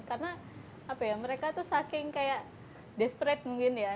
karena apa ya mereka tuh saking kayak desperate mungkin ya